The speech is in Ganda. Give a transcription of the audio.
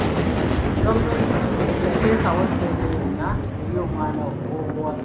Gavumenti teyateekawo ssente yonna eri omwana owoobuwala.